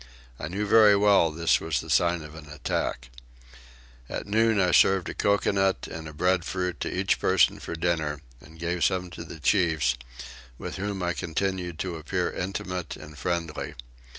I knew very well this was the sign of an attack. At noon I served a coconut and a breadfruit to each person for dinner, and gave some to the chiefs, with whom I continued to appear intimate and friendly.